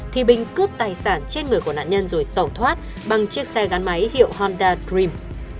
thì bình cướp tài sản trên người của nạn nhân rồi tẩu thoát bằng chiếc xe gắn máy hiệu honda d dream